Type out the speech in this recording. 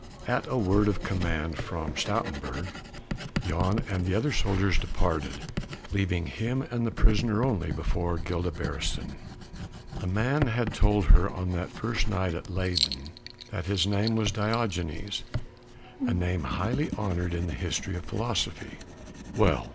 At a word of command from Stoutenburg, Jan and the other soldiers departed, leaving him and the prisoner only before Gilda Beresteyn. The man had told her on that first night at Leyden that his name was Diogenes a name highly honoured in the history of philosophy. Well!